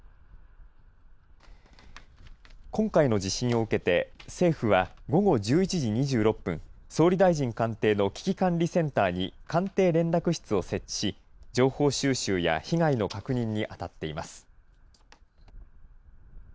今回の地震を受けて政府は午後１１時２６分総理大臣官邸の危機管理センターに官邸連絡室を設置し、情報収集や被害の確認にあたっています。